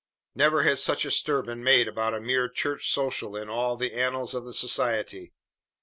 Never had such a stir been made about a mere church social in all the annals of the society.